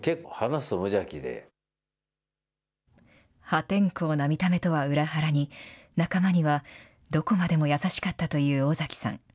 破天荒な見た目とは裏腹に、仲間にはどこまでも優しかったという尾崎さん。